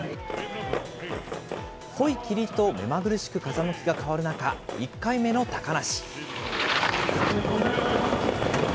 濃い霧と目まぐるしく風向きが変わる中、１回目の高梨。